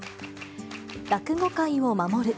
落語界を守る。